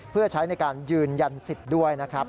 เพื่อใช้ในการยืนยันสิทธิ์ด้วยนะครับ